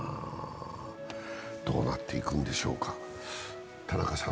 どうなっていくんでしょうか。